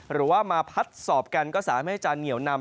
หรือว่ามาพัดสอบกันก็สามารถให้จะเหนียวนำ